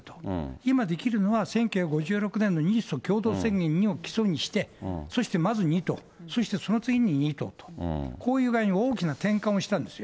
今、できるのは１９５６年の日ソ共同宣言を基礎にして、そしてまず２島、そしてその次に二島と、こういう具合に大きな転換をしたんですよ。